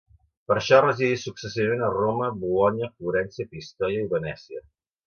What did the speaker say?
Per això residí successivament a Roma, Bolonya, Florència, Pistoia i Venècia.